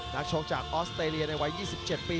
ชกจากออสเตรเลียในวัย๒๗ปี